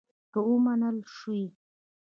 که ومنل شوې.